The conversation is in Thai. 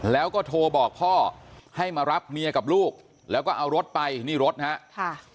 แล้วก็โทรบอกพ่อให้มารับเมียกับลูกแล้วก็เอารถไปนี่รถนะครับ